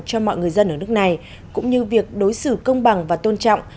cho mọi người dân ở nước này cũng như việc đối xử công bằng và tôn trọng